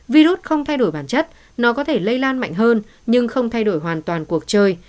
virus không thay đổi bản chất nó có thể lây lan mạnh hơn nhưng không thay đổi hoàn toàn cuộc chơi